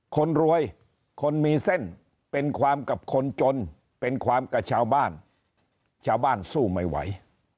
คนรวยคนมีเส้นเป็นความกับคนจนเป็นความกับชาวบ้านชาวบ้านสู้ไม่ไหว